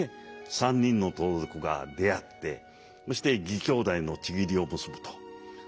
３人の盗賊が出会ってそして義兄弟の契りを結ぶとそういう場面ですね。